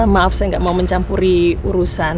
maaf saya nggak mau mencampuri urusan